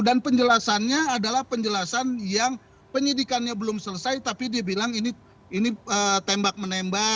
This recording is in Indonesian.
dan penjelasannya adalah penjelasan yang penyidikannya belum selesai tapi dia bilang ini tembak menembak